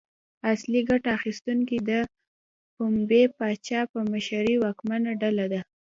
اصلي ګټه اخیستونکي د پنبې پاچا په مشرۍ واکمنه ډله ده.